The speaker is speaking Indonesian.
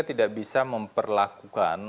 tidak bisa memperlakukan